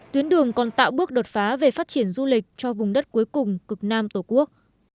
tuyến đường còn tạo bước đột phá về phát triển du lịch cho vùng đất cuối cùng cực nam tổ quốc